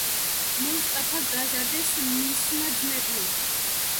მუსტაფა გაზარდეს მისმა ძმებმა.